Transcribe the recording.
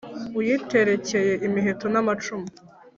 uyiterekeye miheto na macumu